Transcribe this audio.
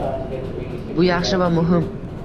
Bu yaxshi va muhim